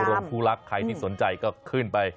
ไปการโฟรกภูลักษณ์ใครที่สนใจก็ขึ้นไป